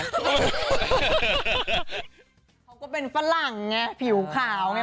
เขาก็เป็นฝรั่งไงผิวขาวไง